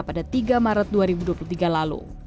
pada tiga maret dua ribu dua puluh tiga lalu